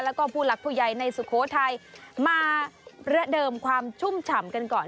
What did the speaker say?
แล้วก็ผู้หลักผู้ใหญ่ในสุโขทัยมาระเดิมความชุ่มฉ่ำกันก่อน